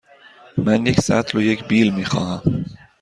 من یک سطل و یک بیل می خواهم.